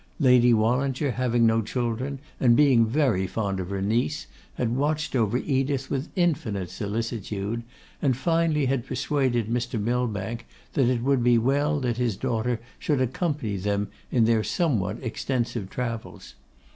Lady Wallinger having no children, and being very fond of her niece, had watched over Edith with infinite solicitude, and finally had persuaded Mr. Millbank, that it would be well that his daughter should accompany them in their somewhat extensive travels.